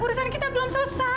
urusan kita belum selesai